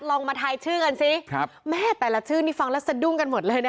ลองมาทายชื่อกันสิครับแม่แต่ละชื่อนี่ฟังแล้วสะดุ้งกันหมดเลยนะคะ